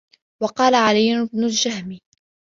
وَقَالَ عَلِيُّ بْنُ الْجَهْمِ